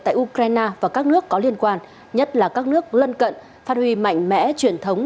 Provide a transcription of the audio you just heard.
tại ukraine và các nước có liên quan nhất là các nước lân cận phát huy mạnh mẽ truyền thống